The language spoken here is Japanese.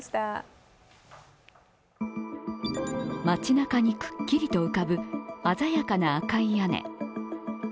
街なかにくっきりと浮かぶ鮮やかな赤い屋根。